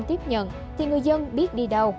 nếu tỉnh này tiếp nhận thì người dân biết đi đâu